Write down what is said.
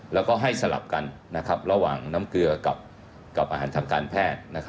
แล้วก็ให้สลับกันระหว่างน้ำเกลือกับอาหารทางการแพทย์